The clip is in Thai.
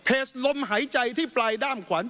ลมหายใจที่ปลายด้ามขวัญ